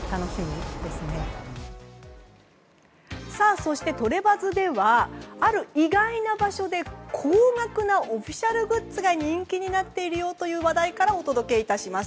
そして、トレバズではある意外な場所で高額なオフィシャルグッズが人気なっているという話題からお伝えします。